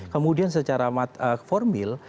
kemudian secara formal